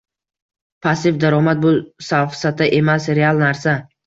Passiv daromad bu safsata emas, real narsa